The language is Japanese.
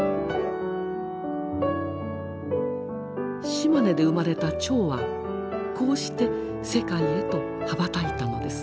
島根で生まれた蝶はこうして世界へと羽ばたいたのです。